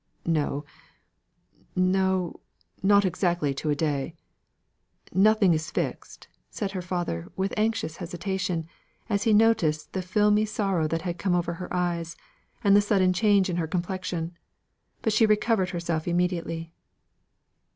"No no, not exactly to a day. Nothing is fixed," said her father, with anxious hesitation, as he noticed the filmy sorrow that came over her eyes, and the sudden change in her complexion. But she recovered herself immediately.